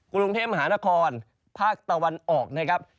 กรุงเทพมหานครภาคตะวันออกนะครับ